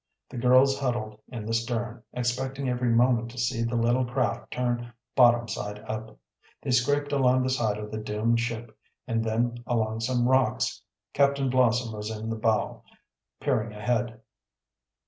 The girls huddled in the stern, expecting every moment to see the little craft turn bottom side up. They scraped along the side of the doomed ship, and then along some rocks. Captain Blossom was in the bow, peering ahead.